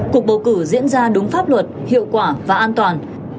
cuộc bầu cử diễn ra đúng pháp luật hiệu quả và an toàn